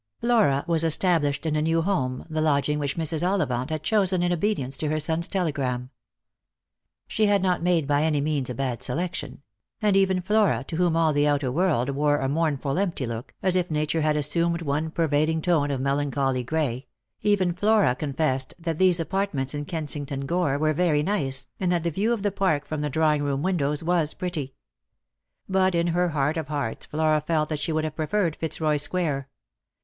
Flcka was established in a new home, the lodging which Mrs. Ollivant had chosen in obedience to her son's telegram. She had not made by any means a bad selection ; and even Flora, to whom all the outer world wore a mournful empty look, as if Nature had assumed one pervading tone of melancholy gray — even Flora confessed that these apartments in Kensing ton Gore were very nice, and that the view of the Park from the drawing room wirjdows was pretty. But in her heart of hearts Flora felt that she would have preferred Fitzroy square.